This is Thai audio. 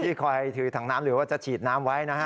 คอยถือถังน้ำหรือว่าจะฉีดน้ำไว้นะฮะ